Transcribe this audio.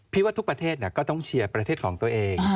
ว่าทุกประเทศก็ต้องเชียร์ประเทศของตัวเอง